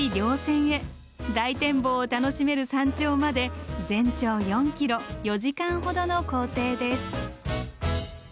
大展望を楽しめる山頂まで全長４ｋｍ４時間ほどの行程です。